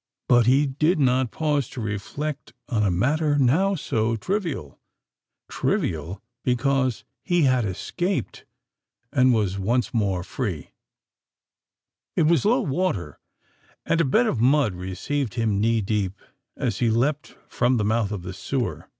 But he did not pause to reflect on a matter now so trivial,—trivial, because he had escaped, and was once more free! It was low water—and a bed of mud received him knee deep, as he leapt from the mouth of the sewer.